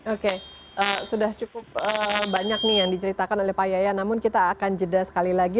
oke sudah cukup banyak nih yang diceritakan oleh pak yaya namun kita akan jeda sekali lagi